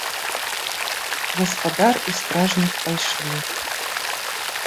Гаспадар і стражнік пайшлі.